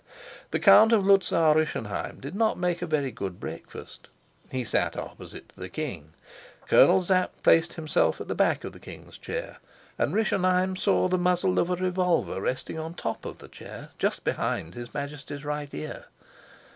The Count of Luzau Rischenheim did not make a very good breakfast. He sat opposite to the king. Colonel Sapt placed himself at the back of the king's chair, and Rischenheim saw the muzzle of a revolver resting on the top of the chair just behind his Majesty's right ear.